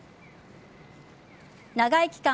長い期間